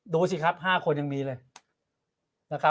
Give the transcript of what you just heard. ดูสิครับ๕คนยังมีเลย